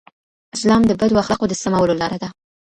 اسلام د بدو اخلاقو د سمولو لاره ده.